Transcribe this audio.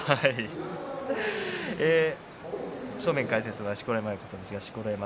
正面解説は錣山親方です。